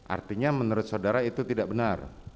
artinya menurut saudara itu tidak benar